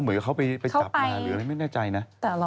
เหมือนเขาไปจับมาหรืออะไรไม่แน่ใจนะ